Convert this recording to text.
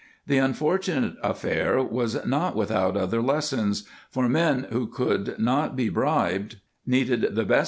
"* The unfortunate affair was not without other lessons, for men who could not be bribed *Still6's Wayne, p.